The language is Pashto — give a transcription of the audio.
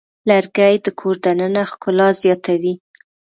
لرګی د کور دننه ښکلا زیاتوي.